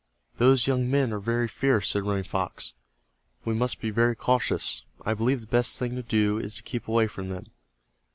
"Those young men are very fierce," said Running Fox. "We must be very cautious. I believe the best thing to do is to keep away from them."